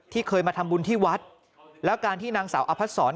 ที่เคยมาทำบุญที่วัดและการที่นางสาวอภัทธสอน